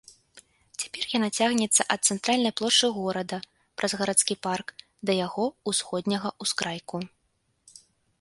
Цяпер яна цягнецца ад цэнтральнай плошчы горада, праз гарадскі парк, да яго ўсходняга ўскрайку.